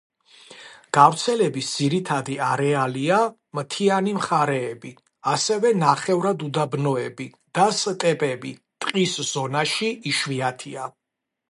გავრცელების ძირითადი არეალია მთიანი მხარეები, ასევე ნახევრად უდაბნოები და სტეპები, ტყის ზონაში იშვიათია.